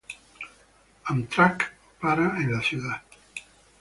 Amtrak para en la ciudad.